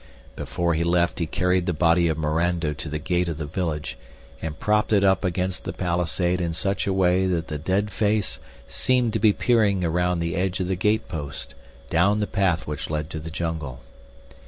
Before he left he carried the body of Mirando to the gate of the village, and propped it up against the palisade in such a way that the dead face seemed to be peering around the edge of the gatepost down the path which led to the jungle.